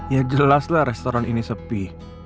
ya jelas lah restoran ini sepi